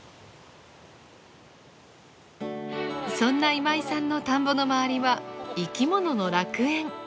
そんな今井さんの田んぼの周りは生き物の楽園。